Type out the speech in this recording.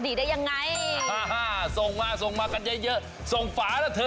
ไม่ส่งอะไรเลยได้ไหมส่งไปดูกติกาอีกครั้งได้ไหม